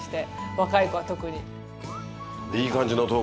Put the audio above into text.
若い子は特に。